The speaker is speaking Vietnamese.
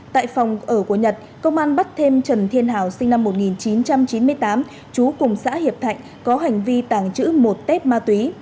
tại phòng ở của nhật công an bắt thêm trần thiên hảo sinh năm một nghìn chín trăm chín mươi tám chú cùng xã hiệp thạnh có hành vi tàng trữ một tết ma túy